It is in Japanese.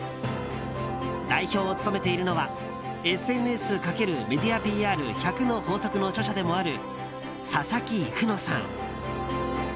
代表を務めているのは「ＳＮＳ×メディアＰＲ１００の法則」の著者でもある、笹木郁乃さん。